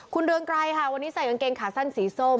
คุณเรืองไกรค่ะวันนี้ใส่กางเกงขาสั้นสีส้ม